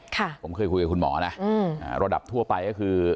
ผมเคยคุยกับคุณหมอนะอืมอ่าระดับทั่วไปก็คือ